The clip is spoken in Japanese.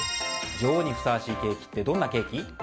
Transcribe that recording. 女王にふさわしいケーキってどんなケーキ？